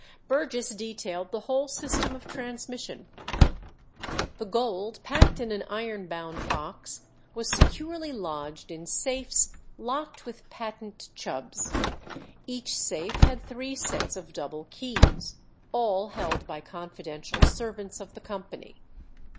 Burgess detailed the whole system of transmission. The gold, packed in an iron bound box, was securely lodged in safes locked with patent Chubbs. Each safe had three sets of double keys, all held by confidential servants of the company.